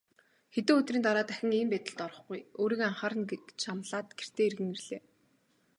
Хэдэн өдрийн дараа дахин ийм байдалд орохгүй, өөрийгөө анхаарна гэж амлаад гэртээ эргэн ирлээ.